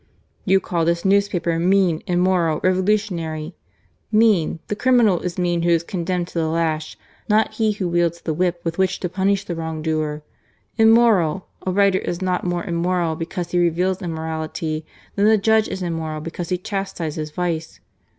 You call this newspaper "mean," "immoral," "revo lutionary." Mean !" The criminal is mean who is condemned to the lash, not he who wields the whip with which to punish the wrong doer. " Immoral !" A writer is not more immoral because he reveals immorality than a judge is immoral because he chastises vice.